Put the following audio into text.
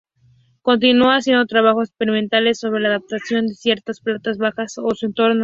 Continuó haciendo trabajos experimentales sobre la adaptación de ciertas plantas bajas a su entorno.